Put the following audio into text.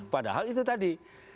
padahal itu tadi